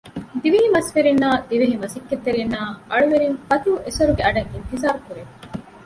ދިވެހި މަސްވެރިންނާއި ދިވެހި މަސައްކަތްތެރިންނާއި އަޅުވެރިން ފަތިހު އެސޮރުގެ އަޑަށް އިންތިޒާރު ކުރޭ